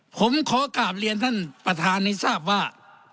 ผมขอกราบเรียนท่านประธานให้ทราบว่า